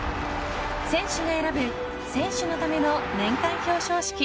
選手が選ぶ選手のための年間表彰式。